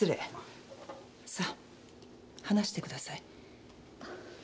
さあ話してください。